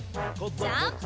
ジャンプ！